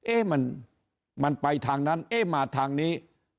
เอ๊ะมันไปทางนั้นเอ๊ะมาทางนี้